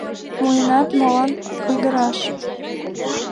Муынат молан ойгыраш!